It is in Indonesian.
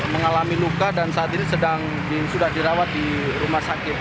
mengalami luka dan saat ini sudah dirawat di rumah sakit